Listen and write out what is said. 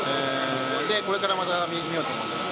これからまた見ようと思います。